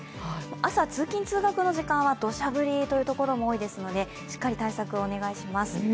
朝通勤通学の時間はどしゃ降りというところも多いのでしっかり対策をお願いします。